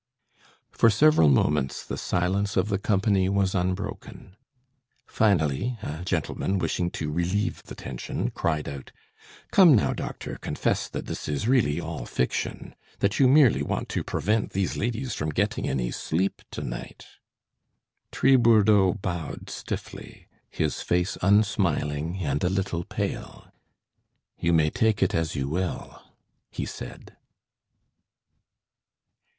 For several moments the silence of the company was unbroken. Finally a gentleman, wishing to relieve the tension, cried out: "Come now, doctor, confess that this is really all fiction; that you merely want to prevent these ladies from getting any sleep to night." Tribourdeaux bowed stiffly, his face unsmiling and a little pale. "You may take it as you will," he said.